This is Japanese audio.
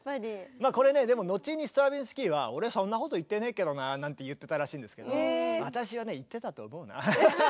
まあこれねでも後にストラヴィンスキーは俺そんなこと言ってねえけどななんて言ってたらしいんですけど私はね言ってたと思うな。